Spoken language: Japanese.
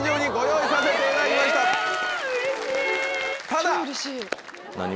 ただ！